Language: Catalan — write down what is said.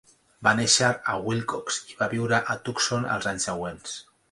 Va néixer a Willcox i va viure a Tucson els anys següents.